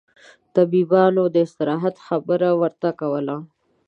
طبيبانو داستراحت خبره ورته کوله.